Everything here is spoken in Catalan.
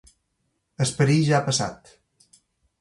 El perill ja ha passat.